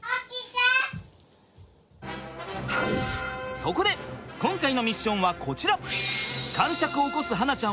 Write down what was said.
そこで今回のミッションはこちら！